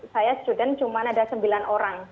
saya student cuma ada sembilan orang